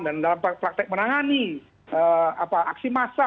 dan dalam praktek menangani aksi massa